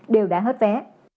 đều đã hết vé